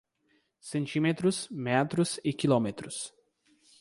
Centímetros, metros e quilômetros